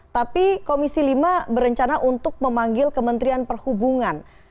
tapi komisi lima berencana untuk memanggil kementerian perhubungan